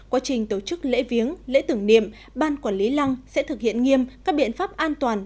quá trình tổ chức lễ viếng lễ tưởng niệm ban quản lý lăng sẽ thực hiện nghiêm các biện pháp an toàn